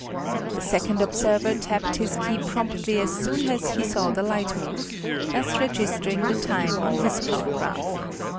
The second observer tapped his key promptly as soon as he saw the light move, thus register ing the time on his chronograph.